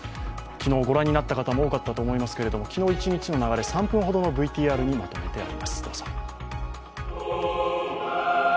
昨日、ご覧になった方も多かったと思いますけれども昨日一日の流れ３分ほどのＶＴＲにまとめてあります。